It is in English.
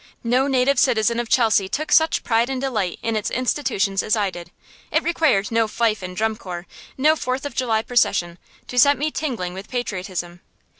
No native citizen of Chelsea took such pride and delight in its institutions as I did. It required no fife and drum corps, no Fourth of July procession, to set me tingling with patriotism.